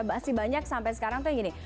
masih banyak sampai sekarang tuh gini